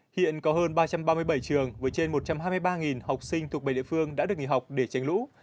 hiện có hơn ba trăm ba mươi bảy trường với trên một trăm hai mươi ba học sinh thuộc bảy địa phương đã được nghỉ học để tránh lũ